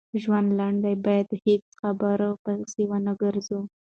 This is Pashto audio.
ژوند لنډ بايد هيچا خبرو پسی ونه ګرځو